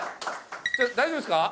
大丈夫ですか？